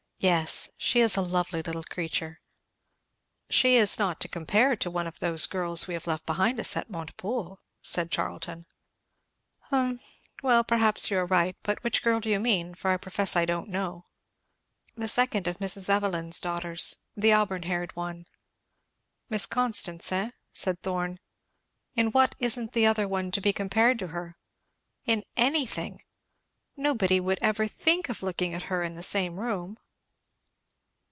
"Yes. She is a lovely little creature." "She is not to compare to one of those girls we have left behind us at Montepoole," said Charlton. "Hum well perhaps you are right; but which girl do you mean? for I profess I don't know." "The second of Mrs. Evelyn's daughters the auburn haired one." "Miss Constance, eh?" said Thorn. "In what isn't the other one to be compared to her?" "In anything! Nobody would ever think of looking at her in the same room?"